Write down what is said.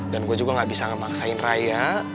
dan gue juga gak bisa ngemaksain raya